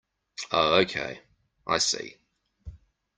Oh okay, I see.